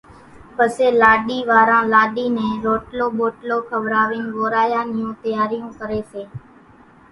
پسيَ لاڏِي واران لاڏِي نين روٽلو ٻوٽلو کوراوينَ وورايا نِيوُن تيارِيون ڪريَ سي۔